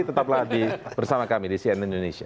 tetap lagi bersama kami di cnn indonesia